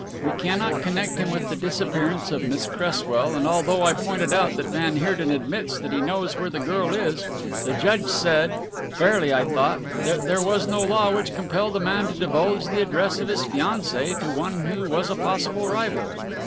We cannot connect him with the disappearance of Miss Cresswell, and although I pointed out that van Heerden admits that he knows where the girl is, the judge said, fairly I thought, that there was no law which compelled a man to divulge the address of his fiancée to one who was a possible rival.